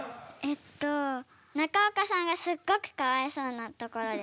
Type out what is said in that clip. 中岡さんがすっごくかわいそうなところです。